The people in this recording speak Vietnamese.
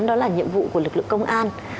đó là nhiệm vụ của lực lượng công an